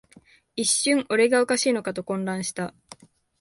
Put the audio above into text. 一瞬、俺がおかしいのかと混乱した